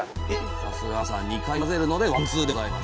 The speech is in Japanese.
さすが天野さん２回混ぜるのでワンツーでございます。